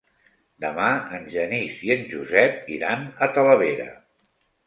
Demà en Genís i en Josep iran a Talavera.